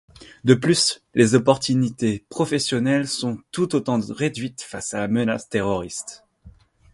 De plus, les opportunités professionnelles sont tout autant réduites face à la menace terroriste.